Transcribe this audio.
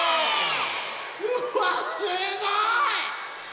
うわっすごい！